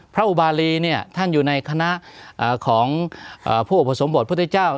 อุบารีเนี่ยท่านอยู่ในคณะของผู้อุปสมบทพุทธเจ้า